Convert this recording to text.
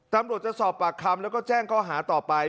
ตำรวจจะสอบปากคำแล้วก็แจ้งข้อหาต่อไป